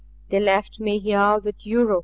They left me here with Yuruk.